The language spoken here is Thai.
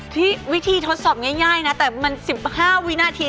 วิธีทดสอบง่ายนะแต่มัน๑๕วินาที